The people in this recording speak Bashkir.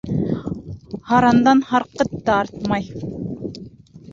Һарандан һарҡыт та артмай.